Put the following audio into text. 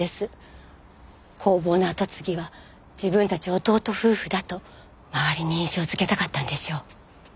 工房の跡継ぎは自分たち弟夫婦だと周りに印象づけたかったんでしょう。